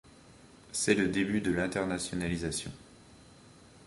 C'est le début de l'internationalisation.